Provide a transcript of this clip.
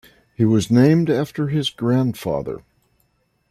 He was named after his grandfather.